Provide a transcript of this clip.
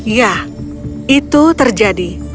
ya itu terjadi